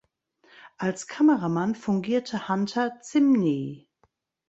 Als Kameramann fungierte Hunter Zimny.